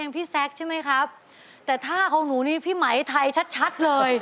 เป็นจังใดนอกหวามหัก